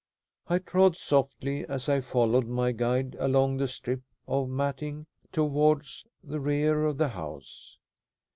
I trod softly as I followed my guide along the strip of matting towards the rear of the house.